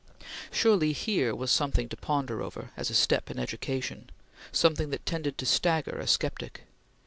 Surely, here was something to ponder over, as a step in education; something that tended to stagger a sceptic!